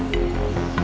aku bisa jaga rahasia